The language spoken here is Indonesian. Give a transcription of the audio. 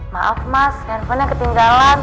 maaf mas handphonenya ketinggalan